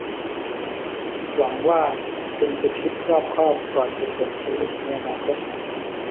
หวังว่าคุณจะคิดรอบคอบก่อนจะส่งสลิปในอนาคตนะ